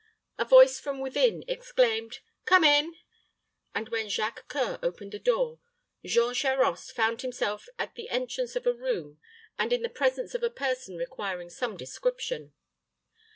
A voice from within exclaimed, "Come in;" and when Jacques C[oe]ur opened the door, Jean Charost found himself at the entrance of a room and in the presence of a person requiring some description.